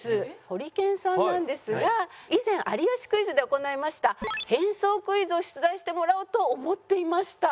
ホリケンさんなんですが以前『有吉クイズ』で行いました変装クイズを出題してもらおうと思っていました。